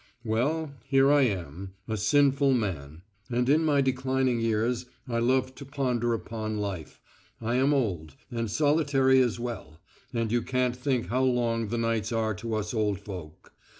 Well, here I am, a sinful man, and in my declining years I love to ponder upon life. I am old, and solitary as well, and you can't think how long the nights are to us old folk.